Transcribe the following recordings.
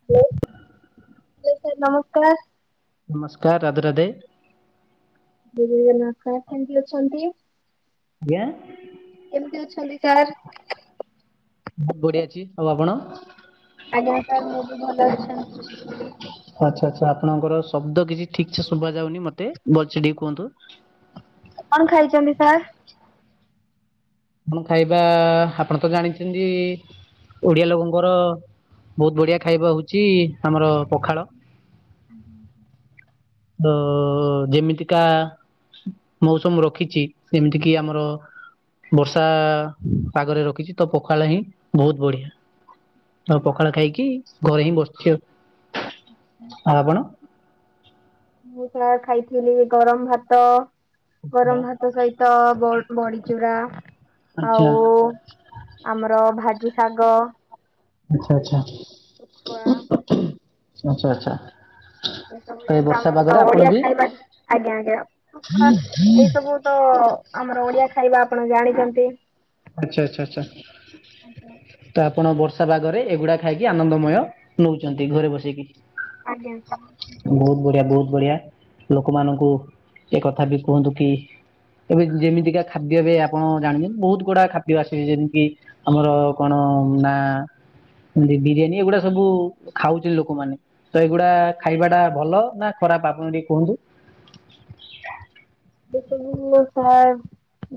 [unintelligible] ନମସ୍କାର୍ ରାଧେ ରାଧେ। [inaudible] ଆଜ୍ଞା କେମ୍ତି ଅଛନ୍ତି ସାର୍? [inaudible] [inaudible] ଆଚ୍ଛା ଆଚ୍ଛା। ଆପଣଙ୍କର ଶବ୍ଦ କିଛି ଠିକ୍ ସେ ଶୁବା ଯାଉନି, ମତେ ଲ୍‌ସେ ଟିକେ କୁହନ୍ତୁ। କ'ଣ ଖାଇଚନ୍ତି ସାର୍? ମୋ ଖାଇବା, ଆପଣ ତ ଜାଣି ଓଡ଼ିଆ ଲୋକଙ୍କର, ବହୁତ୍ ବଢ଼ିଆ ଖାଇବା ହଉଚି ଆମର ପଖାଳ। ହୁଁ ହୁଁ ହୁଁ ଯେମିତି କା ମୌସମ୍ ରଖିଚି, ମିତି କିି ଆମର ବର୍ଷା ପାଗରେ ରଖିଚି, ତ ପଖାଳ ହିଁ ବହୁତ୍ ବଢ଼ିଆ। ଆଉ ପଖାଳ ଖାଇକି ଘରେ ହିଁ ବସ୍‌ଚି ଆଉ। ଆପଣ ଖାଇଥିଲି ଗରମ୍ ଭାତ। ଗରମ୍ ଭାତ ସଇତ ବଡ଼ି ଚୁରା। ଆଚ୍ଛା ଆଉ ଆମର ଭା ଶାଗ। ଶୁଖୁଆ [inaudible] [inaudible] ତ, ଏ ବର୍ଷା ଆମ୍ର ପାଗରେ ଆପଣ ବି ଓଡ଼ିଆ ଖାଇବା ଆପଣ ଜାଣିଚନ୍ତି। [inaudible] ତ, ଆଜ୍ଞା ଆପଣ ବର୍ଷା ପାଗରେ ଏଗୁଡ଼ା ଖାଇକି ଆନନ୍ଦମୟ ନଉଚନ୍ତି ଘରେ ବସିକି। ଆଜ୍ଞା ବହୁତ୍ ବଢ଼ିଆ ବହୁତ୍ ବଢ଼ିଆ, ଲୋକମାନଙ୍କୁ ଏ କଥା ଟି କୁହନ୍ତୁ କି [inaudible] ଖାଦ୍ୟ ଆସେ, ଯେମ୍ତି ଆମର କ'ଣ ନା ବିରିୟାନୀ ଏଗୁଡ଼ା ସବୁ ଖାଉ ଲୋକମାନେ। ତ, ଏଗୁଡା ଖାଇବା ଟା ଭଲ ନା ଖରାପ୍ ଆପଣ ଟିକେ କୁହନ୍ତୁ। ସାର୍,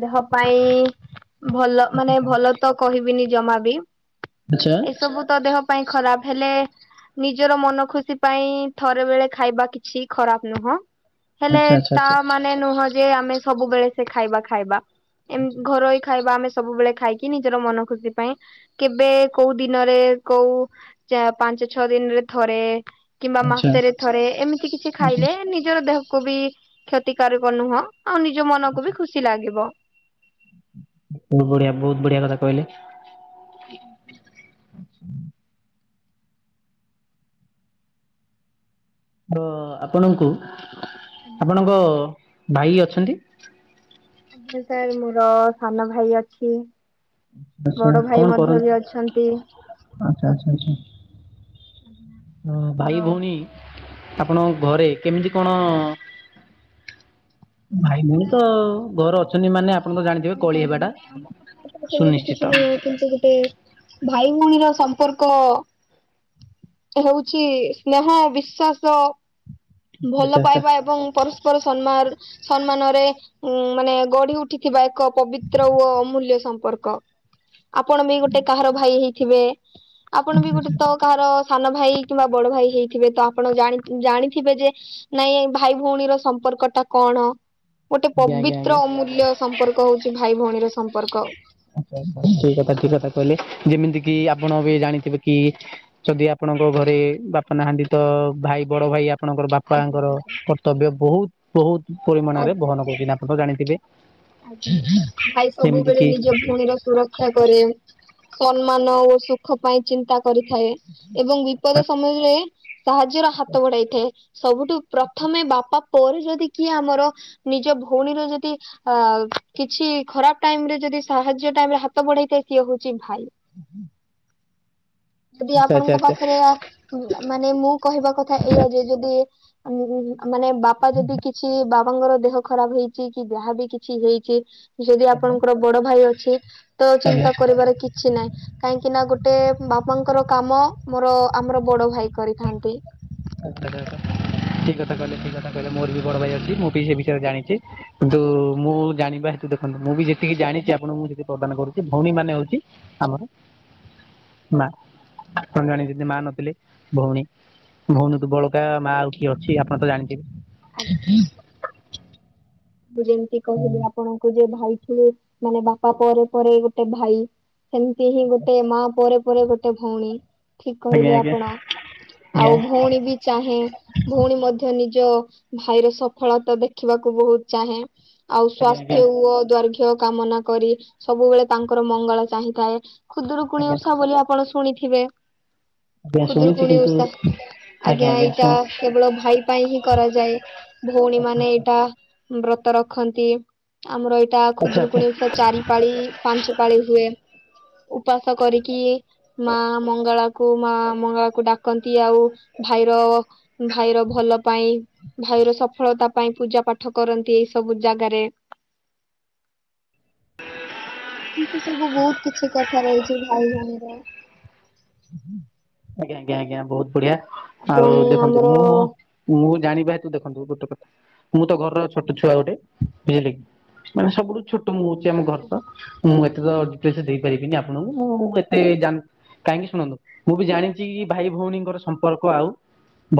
ଦେହ ପାଇଁ ଭଲ ମାନେ ଆଚ୍ଛା ଭଲ ତ, କହିବିନି ଜମା ବି। [inaudible] ସବୁ ତ ଦେହ ପାଇଁ ଖରାପ୍, ହେଲେ ନିଜର ମନ ଖୁସି ପାଇଁ ଥରେ ବେଳେ ଖାଇବା କିଛି ଖରାପ୍ ନୁହଁ। ହେଲେ ଆଚ୍ଛା ତା' ଆଚ୍ଛା ମା ନୁହଁ ଯେ ଆମେ ସବୁବେଳେ ସେ ଖାଇବା ଖାଇବା। ଏମ ଘରୋଇ ଖାଇବା ଆମେ ସବୁବେଳେ ଖାଇକି ନିଜର ମନ ଖୁସି ପାଇଁ କେବେ କୋଉ ଦିନରେ କୋଉ ଚା-ପାଞ୍ଚ ଛଅ ଦିନରେ ଥରେ କିମ୍ବା ଆଚ୍ଛା। ଆଚ୍ଛା ମାସେରେ ଥରେ ଏମିତି କିଛି ଖାଇଲେ ନିଜର ଦେହକୁ ବି କ୍ତିକରକ ନୁହଁ ଆଉ ନିଜ ମନକୁ ବି ଖୁସି ଲାଗିବ। ବହୁତ ବଢିଆ ବହୁତ ବଢିଆ କଥା କହିଲେ। ଆଜ୍ଞା ସାର୍। ଧ-ଆପଣଙ୍କୁ ଆପଣଙ୍କ ଭାଇ ଅଛନ୍ତି? ଜି ସାର୍ ମୋର ସାନ ଭାଇ ଅଛି। ଆଚ୍ଛା ବଡ କଣ ଭାଇ ମଧ୍ୟ କରନ୍ତି? ବି ଅଛନ୍ତି। ଆଚ୍ଛା, ଆଚ୍ଛା, ଆଚ୍ଛା। ଓ, ହଁ। ହଁ ଭାଇ ଭଉଣୀ ଆପଣଙ୍କ ଘରେ କେମିତି କଣ ଭାଇ ଭଉଣୀ ତ ଘରେ ଅଛନ୍ତି ମାନେ ଆପଣ ତ ଜାଣିଥିବେ କଳି ହେବା କହିପାରିବି ଟା ମାନେ ଆମ କଥା ତ ସେମିତି କିଛି ସୁନିଶ୍ଚିତ। ନୁହଁ କିନ୍ତୁ ଗୋଟେ ଭାଇ ଭଉଣୀର ସମ୍ପର୍କ ହଉଛି ସ୍ନେହ, ବିଶ୍ଵାସ ଭଲ ଆଚ୍ଛା ଆଚ୍ଛା ପାଇବା ଏବଂ ପରସ୍ପର ସମ୍ମାରଡ ସମ୍ମାନରେ ଉଁ, ମାନେ ଗଢି ଉଠିଥିବା ଏକ ପବିତ୍ର ଓ ଅମୂଲ୍ୟ ସମ୍ପର୍କ। ଆପଣ ବି ଗୋଟେ କାହାର ଭାଇ ହେଇଥିବେ? ଆପଣ ବି ଗୋଟେ ତ କାହାର ସାନ ଭାଇ କିମ୍ବା ବଡ ଭାଇ ହେଇଥିବେ। ତ ଆପଣ ଜାଣି ଜାଣିଥିବେ ଯେ ନାଇଁ ଏ ଭାଇ ଭଉଣୀର ସମ୍ପର୍କ ଟା କଣ। ଗୋଟେ ଆଜ୍ଞା ଆଜ୍ଞା ପବିତ୍ର ଆଜ୍ଞା। ଅମୂଲ୍ୟ ସମ୍ପର୍କ ହଉଚି ଭାଇ ଭଉଣୀର ସମ୍ପର୍କ। ଆଚ୍ଛା ଆପଣ ଠିକ କଥା ଠିକ କଥା କହିଲେ। ଯେମିତି କିି ଆପଣ ବି ଜାଣିଥିବେ କି ଯଦି ଆପଣଙ୍କ ଘରେ ବାପା ନାହାନ୍ତି ତ ଭାଇ ବଡ ଭାଇ ଆ ଆପଣଙ୍କର ଆଜ୍ଞା ବାପାଙ୍କର କର୍ତ୍ତବ୍ୟ ବହୁତ ବହୁତ ପରିମାଣରେ ଆଜ୍ଞା ବହନ କରୁଚନ୍ତି। ଆପଣ ତ ଜାଣିଥିବେ ଆଜ୍ଞା ଭାଇ ଯେମିତି ସବୁବେଳେ କିି ନିଜ ଭଉଣୀର ସୁରକ୍ଷା କରେ। ସମ୍ମାନ ଓ ସୁଖ ପାଇଁ ଚିନ୍ତା କରିଥାଏ। ଏବଂ ଆଚ୍ଛା ବିପଦ ସମୟରେ ସାହାଯ୍ୟର ହାତ ବଢାଇଥାଏ। ସବୁଠୁ ପ୍ରଥମେ ବାପା ପରେ ଯଦି କିଏ ଆମର ନିଜ ଭଉଣୀର ଯଦି ଆ, କିଛି ଖରାପ ଟାଇମ୍ ରେ ଯଦି ସାହାଯ୍ୟ ଟାଇମ୍ ରେ ହାତ ବଢେଇଥାଏ ସିଏ ହଉଛି ଭାଇ। ହୁଁ। ଯଦି ଆପଣଙ୍କ ପାଖରେ ଆ ହୁଁ, ମାନେ ମୋ କହିବା କଥା ଏଇଆ ଯେ ଯଦି ଆମକୁ ମାନେ ବାପା ଯଦି କିଛି ବାପାଙ୍କର ଦେହ ଖରାପ ହେଇଛି କି ଯାହା ବି କିଛି ହେଇଛି। ଯଦି ଆପଣଙ୍କର ବଡ ଭାଇ ଅଛି ତ ଆଚ୍ଛା ଚିନ୍ତା କରିବାର କିଛି ନାହିଁ। କାହିଁକି ନା ଗୋଟେ ବାପାଙ୍କର କାମ ମୋର ଆମର ବଡ ଭାଇ କରିଥାନ୍ତି। ଆଚ୍ଛା ଆଚ୍ଛା ଠିକ କଥା କହିଲେ। ଠିକ କଥା କହିଲେ। ମୋର ବି ବଡ ଭାଇ ଅଛି। ମୁଁ ବି ସେ ବିଷୟରେ ଜାଣିଛି। କିନ୍ତୁ ମୁଁ ଜାଣିବା ହେତୁ ଦେଖନ୍ତୁ। ମୁଁ ବି ଯେତିକି ଜାଣିଚି ଆପଣଙ୍କୁ ମୁଁ ସେତିକି ପ୍ରଦାନ କରୁଚି। ଭଉଣୀ ମାନେ ହଉଛି ଆମର ମା ଆପଣ ଜାଣନ୍ତି ଯେ ମା ନଥିଲେ ଭଉଣୀ ଭଉଣୀଠୁ ବଳକା ମା ଆଉ କିଏ ଅଛି ଆପଣ ତ ଜାଣିଥିବେ। ମୁଁ ଯେମିତି କହିଲି ଆପଣଙ୍କୁ ଯେ, ଭାଇ ଥିଲେ ମାନେ ବାପା ପରେ ପରେ ଗୋଟେ ଭାଇ ସେମତି ହିଁ ଗୋଟେ ମା ପରେ ପରେ ଗୋଟେ ଭଉଣୀ। ଠିକ ଆଜ୍ଞା କହିଲେ ଆଜ୍ଞା ଆଜ୍ଞା ଆପଣ। ଆଉ ଭଉଣୀ ବି ଚାହେଁ, ଭଉଣୀ ମଧ୍ୟ ନିଜ ଭାଇର ସଫଳତା ଦେଖିବାକୁ ବହୁତ ଚାହେଁ। ଆଉ ଆଜ୍ଞା ଆଜ୍ଞା ସ୍ଵାସ୍ଥ୍ୟ ଓ ଦ୍ବାରଘି ର କାମନା କରି ସବୁବେଳେ ତାଙ୍କର ମଙ୍ଗଳ ଚାହିଁଥାଏ। ଖୁଦୁରୁକୁଣି ଆଜ୍ଞା ଓଷା ବୋଲି ଆପଣ ଶୁଣିଥିବେ। ଆଜ୍ଞା ଶୁଣିଛି ଖୁଦୁରୁକୁୁଣି କିନ୍ତୁ ଉଷା। ଆଜ୍ଞା ଏଇଟା କେବଳ ଭାଇ ପାଇଁ ହିଁ କରାଯାଏ। ଭଉଣୀ ଆଚ୍ଛା ମାନେ ଆଚ୍ଛା ଏଇଟା ବ୍ରତ ରଖନ୍ତି। ଆମର ଏଇଟା ଆଚ୍ଛା ଆଚ୍ଛା ଖୁଦୁରୁକୁଣୀ ଓଷା ଚାରି ପାଳି, ପାଞ୍ଚ ପାଳି ହୁଏ। ଉପାସ କରିକି ମା ମଙ୍ଗଳା କୁ ମା ମଙ୍ଗଳାକୁ ଡାକନ୍ତି। ଆଉ ଭାଇର ଭାଇର ଭଲ ପାଇଁ ଭାଇର ସଫଳତା ପାଇଁ ପୂଜା ପାଠ କରନ୍ତି ଏଇ ସବୁ ଜାଗାରେ। ଏମତି ସବୁ ବହୁତ କିଛି କଥା ରହିଛି ଭାଇ ଭଉଣୀର ଆଜ୍ଞା ଆଜ୍ଞା ଆଜ୍ଞା। ବହୁତ ବଢିଆ। ଏବଂ ଆଉ ଦେଖନ୍ତୁ ଆମର ମୁଁ ମୁଁ ଜାଣିବା ହେତୁ ଦେଖନ୍ତୁ ଗୋଟେ କଥା ମୁଁ ତ ଘରର ଛୋଟ ଛୁଆ ଗୋଟେ। ବୁଝିଲେ କି? ମାନେ ସବୁଠୁ ଛୋଟ ମୁଁ ହଉଛି। ଆମ ଘର ତ ମୁଁ ଏତେ ତ କିଛି ଦେଇପାରିବିନି ଆପଣଙ୍କୁ। ମୁଁ କେତେ ଯା-କାହିଁକି ଶୁଣନ୍ତୁ। ମୁଁ ବି ଜାଣିଛି କି, ଭାଇ ଭଉଣୀଙ୍କର ସମ୍ପର୍କ ଆଉ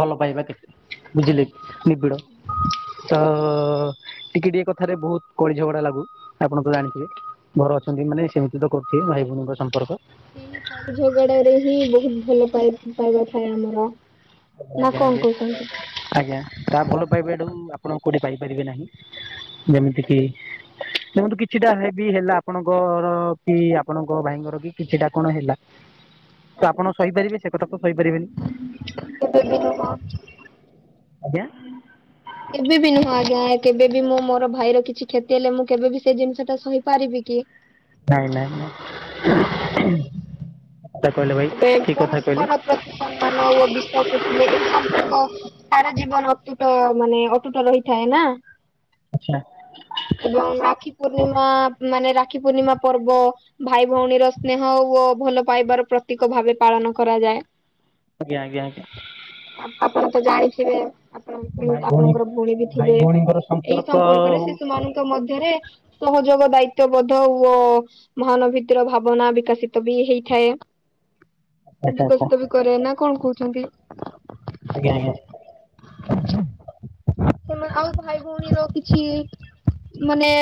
ଭଲ ପାଇବା କେତେ? ବୁଝିଲି ନିବିଡ଼ ତ ଟିକେ ଟିକେ କଥାରେ ବହୁତ କଳି ଝଗଡା ଲାଗୁ। ଆପଣ ତ ଜାଣିଥିବେ। ଘର ଅଛନ୍ତି ମାନେ ସେମିତି କୋଟିଏ ଭାଇ ଭଉଣୀଙ୍କ ସମ୍ପର୍କ। ସେ କଳି ଝଗଡାରେ ହିଁ ବହୁତ ଭଲ ପାଇ-ପାଇବା ଥାଏ ଆମର। ନା ଆଜ୍ଞା କଣ ଆଜ୍ଞା କହୁଛନ୍ତି? ଆଜ୍ଞା ତା ଭଲ ପାଇବା ଠୁ ଆପଣ କୋଉଠି ପାଇପାରିବେ ନାହିଁ ଯେମିତି କିି ଦେଖନ୍ତୁ କିଛିଟା ବି ହେଲା ଆପଣଙ୍କର କି ଆପଣଙ୍କ ଭାଇଙ୍କର କି କିଛିଟା କଣ ହେଲା। ତ ଆପଣ ଶହିପାରିବେ ସେ କଥା ତ ଶହିପାରିବେନି। କେବେ ବି ନୁହଁ। ଆଜ୍ଞା। କେବେ ବିି ନୁହଁ ଆଜ୍ଞା କେବେବି ମୁଁ ମୋର ଭାଇର କିଛି କ୍ଷତି ହେଲେ ମୁଁ କେବେବି ସେ ଜିନିଷ ଟା ସହିପାରିବି କି? ନାଇଁ-ନାଇଁ-ନାଇଁ ଟା କହିଲେ ଭାଇ ଏବେ ଠିକ୍ କଥା କହିଲେ। ପରସ୍ପର ପ୍ରତି ସମ୍ମାନ ଓ ବିଶ୍ଵାସ ଥିଲେ ଏଇ ସମ୍ପର୍କ ତାର ଜୀବନ ଅତୁଟ ମାନେ ଅତୁଟ ରହିଥାଏ ନା। ଆଚ୍ଛା। ଏବଂ ରାକ୍ଷୀ ପୂର୍ଣ୍ଣିମା ମାନେ ରାକ୍ଷୀ ପୂର୍ଣ୍ଣିମା ପର୍ବ ଭାଇ ଭଉଣୀର ସ୍ନେହ ଓ ଭଲ ପାଇବାର ପ୍ରତୀକ ଭାବେ ପାଳନ କରାଯାଏ। ଆଜ୍ଞ-ଆଜ୍ଞା ଅ ଆପଣ ତ ଜାଣିଥିବେ। ଆପଣ ଆପଣଙ୍କର ଭଉଣୀ ବି ଭାଇ ଥିବେ। ଭଉଣୀଙ୍କର ଏଇ ସମ୍ପର୍କ ସମ୍ପର୍କରେ ହଉ ଶିଶୁ ମାନଙ୍କ ମଧ୍ୟରେ ସହଯୋଗ ଦାୟିତବୋଧ ହୁଅ ମହାନଭୀତର ଭାବନା ବିକଶିତ ବି ହେଇଥାଏ। ଆଚ୍ଛା ଆଚ୍ଛା ବିକଶିତ ବି କରେ ନା କଣ କହୁଛନ୍ତି? ଆଜ୍ଞା-ଆଜ୍ଞା। ସେମାନେ ଆଉ ଭାଇ ଭଉଣୀର କିଛି ମାନେ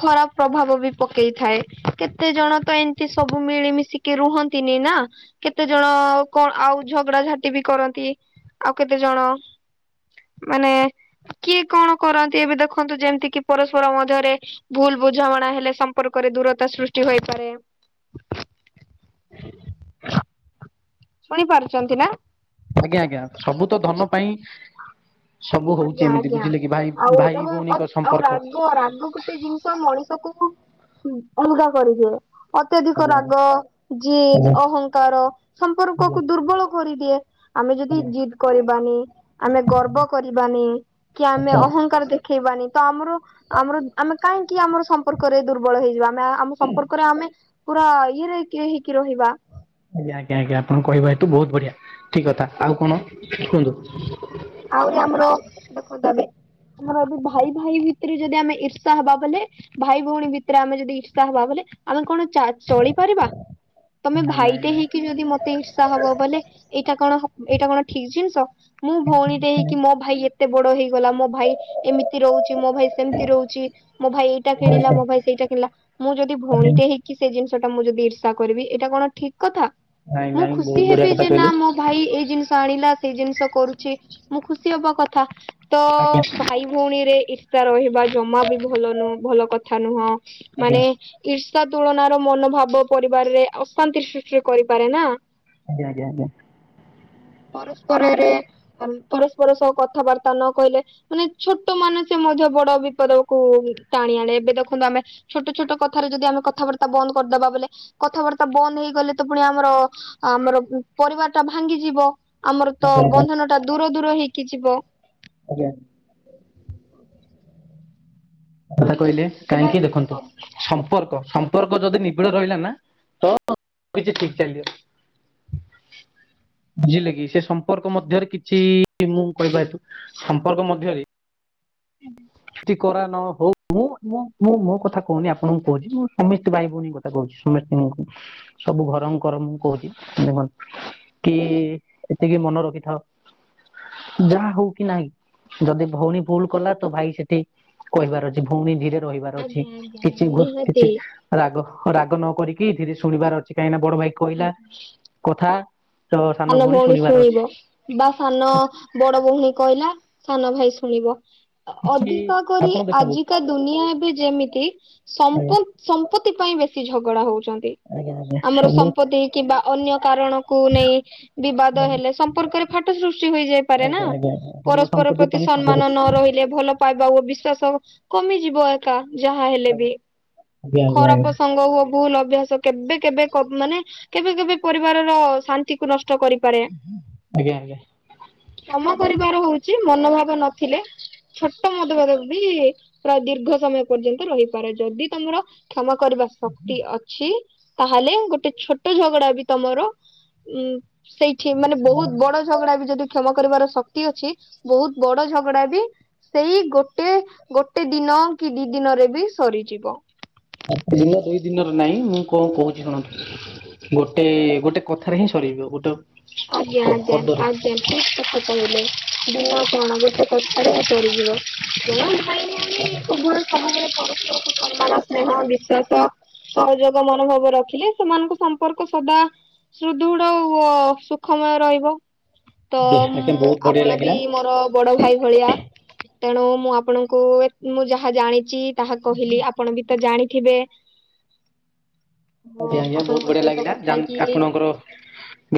ଖରାପ ପ୍ରଭାବ ବି ପକେଇଥାଏ କେତେ ଜଣ ତ ଏମତି ସବୁ ମିଳିମିଶିି ରୁହନ୍ତିନି ନା କେତେ ଜଣ କଣ ଆଉ ଝଗଡ଼ାଝାଣ୍ଟି ବି କରନ୍ତି। ଆଉ କେତେ ଜଣ ମାନେ କିଏ କଣ କରନ୍ତି ଏବେ ଦେଖନ୍ତୁ ଯେମିତି କିି ପରସ୍ପର ମଧ୍ୟରେ ଭୁଲ୍ ବୁଝାମଣା ହେଲେ ସମ୍ପର୍କରେ ଦୂରତା ସୃଷ୍ଟି ହେଇପାରେ। ଶୁଣି ପାରୁଛନ୍ତି ନା? ଆଜ୍ଞା-ଆଜ୍ଞା ସବୁ ତ ଧନ ପାଇଁ ସବୁ ହଉଛି ଏମିତି ଆଜ୍ଞା-ଆଜ୍ଞା ବୁଝିଲେ କି ଭାଇ ଆଉ ଭାଇ ଏବଂ ଭଉଣୀଙ୍କ ଆଉ ସମ୍ପର୍କ ରାଗ-ରାଗକୁ ଗୋଟେ ଜିନିଷ ମଣିଷକୁ ଅଲଗା କରିଦିଏ। ଅତ୍ୟଧିକ ଆଜ୍ଞା ରାଗ, ଜିଦ୍, ଆଜ୍ଞା ଅହଂଙ୍କାର। ଆଜ୍ଞା ସମ୍ପର୍କକୁୁ ଦୁର୍ବଳ କରିଦିଏ ଆମେ ଯଦି ଆଜ୍ଞା ଜିଦ୍ କରିବାନି ଆମେ ଗର୍ବ କି ଆମେ ଆଚ୍ଛା ଅହଂଙ୍କାର ଦେଖେଇବାନି, ତ ଆମର ଆମର ଆମେ କାହିଁକି ଆମର ସମ୍ପ ସମ୍ପର୍କରେ ଦୁର୍ବଳ ହେଇଯିବା ଆ ଆମ ସମ୍ପର୍କରେ ଆମେ ପୁରା ଇରେଇକି ଇହିକି ରହିବା। ଆଜ୍ଞା ଆଜ୍ଞା ଆଜ୍ଞା ଆପଣ କହିବ ଏଇଠୁ ବହୁତ ବଢ଼ିଆ ଠିକ୍ କଥା ଆଉ କଣ କୁହନ୍ତୁ। ଆହୁ ଆମ ଦେଖ ଆମର ଏବେ ଭାଇ ଭାଇ ଭିତରେ ଯଦି ଆମେ ଇର୍ଷା ହବା ବଲେ ଭାଇ ଭଉଣୀ ଭିତରେ ଆମେ ଯଦି ଇର୍ଷା ହବା ବଲେ ଆମେ କଣ ଚା ଚଳିପାରିବା ତମେ ନାଇଁ ନାଇଁ ଭାଇଟେ ନାଇଁ ହେଇକି ଯଦି ମତେ ଇର୍ଷା ହବ ବଲେ ଏଇଟା କଣ ଏଇଟା କଣ ଠିକ ଜିନିଷ ମୁଁ କିଛି ଭଉଣୀ କିଛି ନାଇଁ ମୋ ଭାଇ ଏତେ ବଡ ହେଇଗଲା ମୋ ଭାଇ ଏମିତି ରହୁଛି ମୋ ଭାଇ ସେମିତି ରହୁଛି ମୋ ଭାଇ ଏଇଟା କିଣିଲା ମୋ ଭାଇ ସେଇଟା କିଣିଲା। ମୁଁ ଯଦି ଭଉଣୀଟେ ହେଇକି ସେ ଜିନିଷ ଟା ମୁଁ ଯଦି ଇର୍ଷା କରିବି, ଏଇଟା କଣ ଠିକ୍ କଥା। ନାଇଁ ମୁଁ ନାଇଁ ବହୁତ ଖୁସି ବଢିଆ ହେବି କଥା ଯେ ନା କହିଲେ ମୋ ଭାଇ ଏଇ ଜିନିଷ ଆଣିଲା ସେଇ ଜିନିଷ କରୁଛି ମୁଁ ଖୁସି ହବ କଥା। ତ ଆଜ୍ଞା ଭାଇ ଭଉଣୀରେ ଈର୍ଷା ରହିବା ଜମା ବି ଭଲ ନୁହଁ ଭଲ କଥା ନୁହଁ। ଆଜ୍ଞା ମାନେ ଈର୍ଷା ତୁଳନାର ମନୋଭାବ ପରିବାରରେ ଅଶାନ୍ତି ସୃଷ୍ଟିରେ କରିପାରେ ନା। ଆଜ୍ଞା - ଆଜ୍ଞା - ଆଜ୍ଞା। ପରସ୍ପରରେ ଅ ପରସ୍ପର ସହ କଥାବାର୍ତ୍ତା ନ କହିଲେ ମାନେ ଛୋଟ ମାନେ ସେ ମଧ୍ୟ ବଡ ବିପଦକୁ ଟାଣି ଆଣେ ଏବେ ଦେଖନ୍ତୁ ଆମେ ଛୋଟ ଛୋଟ କଥାରେ ଯଦି ଆମେ କଥାବାର୍ତ୍ତା ବନ୍ଦ କରିଦବା ବଲେ କଥାବାର୍ତ୍ତା ବନ୍ଦ ହେଇଗଲେ ତ ପୁଣି ଆମର ଆମର ପରିବାର ଟା ଭାଙ୍ଗିଯିବ। ଆମର ତ ଆଜ୍ଞା ବନ୍ଧନ ଟା ଦୂର ଦୂର ହେଇକି ଯିବ। ଆଜ୍ଞା। କଥା କହିଲେ ଏବଂ କାହିଁକି ଦେଖନ୍ତୁ ସମ୍ପର୍କ ସମ୍ପର୍କ ଯଦି ନିବିଡ ରହିଲା ନା ତ କିଛି ଠିକ ଚାଲିବ? [unintelligible] ବୁଝିଲେ କି ସେ ସମ୍ପର୍କ ମଧ୍ୟରେ କିଛି ମୁଁ କହିବା ହେତୁ ସମ୍ପର୍କ ମଧ୍ୟରେ କରା ନହଉ ମୁଁ ମୁଁ ମୁଁ ମୋ କଥା କହୁନି ଆପଣଙ୍କୁ କହୁଛି ମୁଁ ସମସ୍ତେ ଭାଇ ଭଉଣୀ କ କଥା କହୁଛି ସମସ୍ତଙ୍କୁ ସବୁ ଘର କର ଙ୍କର କହୁଛି ଦେଖନ୍ତୁ। କି ଏତିକି ମନ ରଖିଥାଅ ଯାହା ହଉ କି ନାହିଁ ଯଦି ଭଉଣୀ ଭୁଲ କଲା ତ ଭାଇ ସେଠି ଟି କହିବାର ଅଛି ଭଉଣୀ ଧୀରେ ରହିବାର ଅଛି ଆଜ୍ଞା ଆଜ୍ଞା କିଛି ନିହାତି କିଛି ରାଗ ରାଗ ନ କରିକି ଧରେ ଶୁଣିବାର ଅଛି କାହିଁକି ନା ବଡ ଭାଇ କହିଲା କଥା ତ ସାନ ଭଉଣୀ ଶୁଣିବାର ଅଛି। ବା ସାନ ବଡ ଭଉଣୀ କହିଲା ସାନ ଭାଇ ଶୁଣିବ। କିଛି ଅଧିକ କରି ଆପଣ ଦେଖନ୍ତୁ ଆଜିକା ଦୁନିଆ ଏବେ ଯେମିତି ଆଜ୍ଞା ସମ୍ପ ସମ୍ପତ୍ତି ପାଇଁ ବେଶୀ ଝଗଡା ହଉଛନ୍ତି। ଆଜ୍ଞା ଆଜ୍ଞା ଆମର ସବୁ ସମ୍ପତ୍ତି କିମ୍ବା ଅନ୍ୟ କାରଣକୁ ନେଇ ବିବାଦ ଭଲ ହେଲେ ସମ୍ପର୍କରେ ଫାଟ ସୃଷ୍ଟି ହୋଇଯାଇପାରେ ନା ଆଜ୍ଞା ଆଜ୍ଞା ଆଜ୍ଞା ଧନ ପରସ୍ପର ସମ୍ପତ୍ତି ପ୍ରତି ପାଇଁ ସବୁ ସମ୍ମାନ କିଛି ନ ରହି ରେ ଭଲ ପାଇବା ଓ ବିଶ୍ଵାସ କମିଯିବ। କା ଯାହା ହେଲେ ବି ଆଜ୍ଞା ଆଜ୍ଞା ଆଜ୍ଞା ଆଜ୍ଞା। ଖରାପସଙ୍ଗ ହୁଅ ଭୁଲ ଅଭ୍ୟାସ କେବେ କେବେ ମାନେ କେବେ କେବେ ପରିବାରର ଶାନ୍ତିକୁ ନଷ୍ଟ କରି ପରେ ଆଜ୍ଞା ଆଜ୍ଞା କ୍ଷମା କରିବାର ହଉଛି ମନୋଭାବ ନଥିଲେ ଛୋଟ ମଦଭେଦ ବି ପ୍ରାୟ ଦୀର୍ଘ ସମୟ ପର୍ଯ୍ୟନ୍ତ ରହିପାରେ ଯଦି ତମର କ୍ଷମା କରିବା ଶକ୍ତି ଅଛି ତାହେଲେ ଗୋଟେ ଛୋଟ ଝଗଡା ବି ତମର ଉଁ ସେଇଠି ମାନେ ବହୁତ ବଡ ଝଗଡା ବି ଯଦି କ୍ଷମା କରିବାର ଶକ୍ତି ଅଛି ବହୁତ ବଡ ଝଗଡା ବି ସେଇ ଗୋଟେ ଗୋଟେ ଦିନ କି ଦି ଦିନରେ ବି ସରିଯିବ। ଦିନ ଦୁଇ ଦିନରେ ନାଇଁ ମୁଁ କଣ କହୁଛି ଶୁଣନ୍ତୁ? ଗୋଟେ ଗୋଟେ କଥାରେ ହିଁ ସରଯିବ ଗୋଟେ ଆଜ୍ଞା ଆଜ୍ଞା ପଦରେ ଆଜ୍ଞା ଠିକ୍ କଥା କହିଲେ ଦିନ କଣ ଗୋଟେ କଥାରେ ହିଁ ସରିଯିବ। ଜଣ ଭାଇ ଭଉଣୀ ଉ ସବୁବେଳେ ପରସ୍ପରକୁ ସମ୍ମାନ ସ୍ନେହ ବିଶ୍ଵାସ ସହଯୋଗ ମନୋଭାବ ରଖିଲେ ସେମାନଙ୍କ ସମ୍ପର୍କ ସଦା ସୁଦୃଢ ଓ ସୁ ଖାଇବା ରହିବ ତ ଆଜ୍ଞା ଆଜ୍ଞା ମୁଁ ବହୁତ ବଢିଆ ଆପଣ ବି ଲାଗିଲା ମୋର ବଡ଼ ଭାଇ ଭଳିଆ ତେଣୁ ମୁଁ ଆପଣଙ୍କୁ ମୁଁ ଯାହା ଜାଣିଛି ତାହା କହିଲି। ଆପଣ ବି ତ ଜାଣିଥିବେ। ହଁ ଆଜ୍ଞା ଆଜ୍ଞା ବହୁତ ଆପଣଙ୍କ ବଢ଼ିଆ ସହିତ ଲାଗିଲା କଥା ହେଇକି ଆପଣଙ୍କର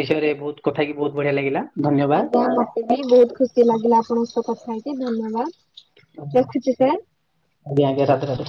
ବିଷୟରେ ବହୁତ କଥା କିି ବହୁତ ବଢ଼ିଆ ଲାଗିଲା। ଧନ୍ୟବାଦ ଆଜ୍ଞା ମତେ ବି ବହୁତ ଖୁସି ଲାଗିଲା ଆପଣଙ୍କ ସହ କଥା ହେଇକି ଧନ୍ୟବାଦ। ରଖୁଛି ସାର୍। ଆଜ୍ଞା ଆଜ୍ଞା ରାଧେ ରାଧେ।